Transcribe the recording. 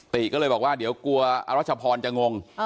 ติก็เลยบอกว่าเดี๋ยวกลัวอรัชพรจะงง